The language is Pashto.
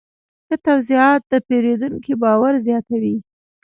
ښه توضیحات د پیرودونکي باور زیاتوي.